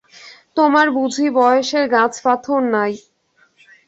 তোমার বুঝি বয়সের গাছপাথর নাই!